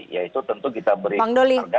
ya itu tentu kita beri harga